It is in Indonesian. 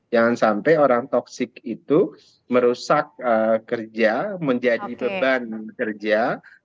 jangan sampai orang toxic itu merusak kerja menjadi beban kerja